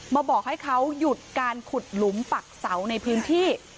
บอกให้เขาหยุดการขุดหลุมปักเสาในพื้นที่